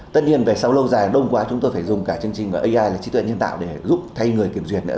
tất nhiên về sau lâu dài đông quá chúng tôi phải dùng cả chương trình ai là trí tuệ nhân tạo để giúp thay người kiểm duyệt nữa